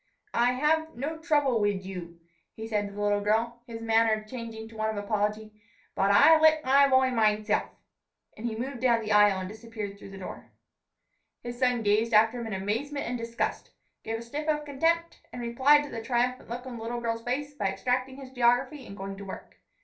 "I hav v no trouble wid you," he said to the little girl, his manner changing to one of apology, "bud I lick my boy mineself," and he moved down the aisle and disappeared through the door. His son gazed after him in amazement and disgust, gave a sniff of contempt, and replied to the triumphant look on the little girl's face by extracting his geography and going to work.